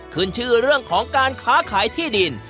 ขึ้นชื่อเรื่องของการค้าขายที่ดิน